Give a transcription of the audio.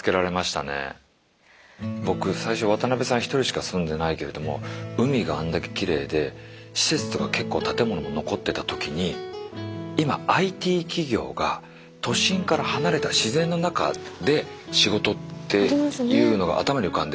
僕最初渡邊さん１人しか住んでないけれども海があんだけきれいで施設とか結構建物も残ってた時に今ＩＴ企業が都心から離れた自然の中で仕事っていうのが頭に浮かんで。